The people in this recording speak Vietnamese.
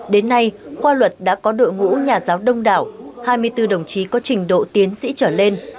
đến nay khoa luật đã có đội ngũ nhà giáo đông đảo hai mươi bốn đồng chí có trình độ tiến sĩ trở lên